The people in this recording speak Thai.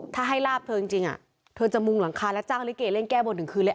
ถ้าให้ลาบเธอจริงเธอจะมุงหลังคาแล้วจ้างลิเกเล่นแก้บนถึงคืนเลย